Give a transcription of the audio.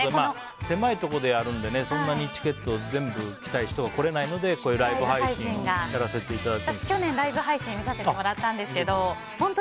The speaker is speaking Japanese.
狭いところでやるのでそんなにチケット全部来たい人が来れないのでライブ配信をやらせていただいて。